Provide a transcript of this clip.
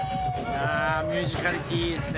ミュージカリティーいいですね。